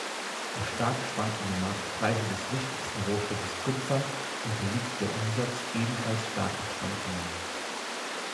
Durch stark schwankende Marktpreise des wichtigsten Rohstoffes Kupfer unterliegt der Umsatz ebenfalls starken Schwankungen.